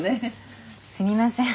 すみません。